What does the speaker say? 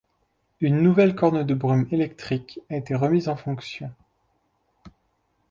Une nouvelle corne de brume électrique a été remise en fonction.